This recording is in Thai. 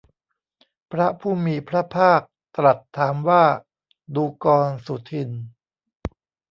พระผู้มีพระภาคตรัสถามว่า ดูกรสุทินน์